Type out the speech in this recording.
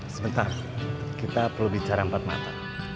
sebentar kita perlu bicara empat mata